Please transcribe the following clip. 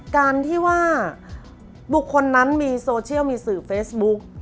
การที่ว่าบุคคลนั้นมีโซเชียลมีสื่อเฟซบุ๊ก